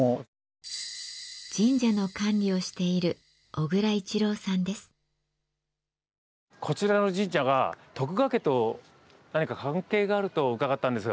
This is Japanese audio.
神社の管理をしているこちらの神社が徳川家と何か関係があると伺ったんですが。